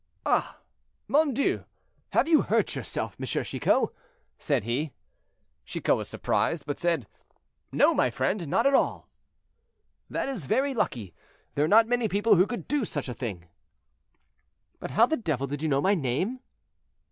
"Ah! mon Dieu! have you hurt yourself, M. Chicot?" said he. Chicot was surprised, but said, "No, my friend, not at all." "That is very lucky; there are not many people who could do such a thing." "But how the devil did you know my name?"